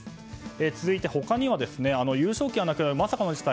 続いて、他にも優勝旗がなくなるまさかの事態